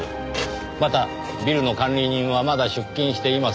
またビルの管理人はまだ出勤していません。